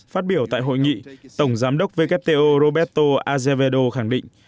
phát biểu tại hội nghị tổng giám đốc wto roberto azevedo khẳng định